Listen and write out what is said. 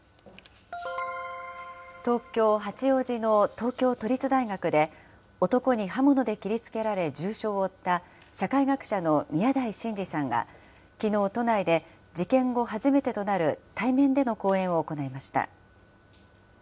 東京・八王子の東京都立大学で、男に刃物で切りつけられ重傷を負った社会学者の宮台真司さんが、きのう都内で、事件後初めてとなる対面での講演を行いました。